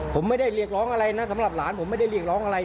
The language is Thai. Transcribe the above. ผมไม่ได้เรียกร้องอะไรนะสำหรับหลานผมไม่ได้เรียกร้องอะไร